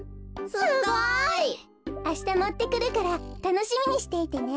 すごい！あしたもってくるからたのしみにしていてね。